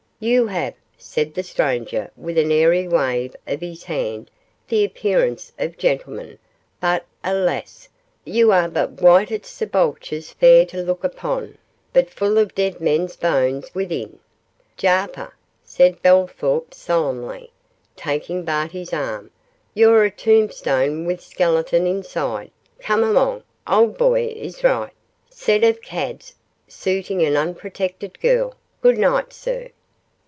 'You have,' said the stranger, with an airy wave of his hand, 'the appearance of gentlemen, but, alas! you are but whited sepulchres, fair to look upon, but full of dead men's bones within.' 'Jarper,' said Bellthorp, solemnly, taking Barty's arm, 'you're a tombstone with skeleton inside come along old boy is right set of cads 'suiting an unprotected gal good night, sir.